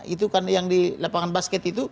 itu kan yang di lapangan basket itu